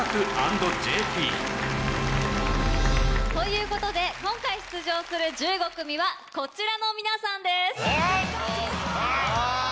＆ＪＰ ・ということで今回出場する１５組はこちらの皆さんです。